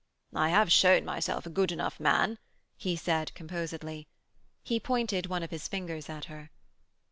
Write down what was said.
'I have shewn myself a good enough man,' he said composedly. He pointed one of his fingers at her.